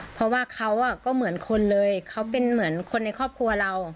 เพราะว่าเขาก็เหมือนคนเลยเขาเป็นเหมือนคนในครอบครัวเรา